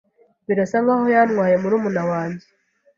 Birasa nkaho yantwaye murumuna wanjye.